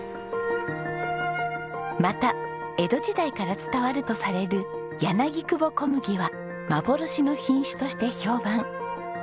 また江戸時代から伝わるとされる柳久保小麦は幻の品種として評判。